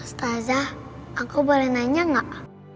ustazah aku boleh nanya gak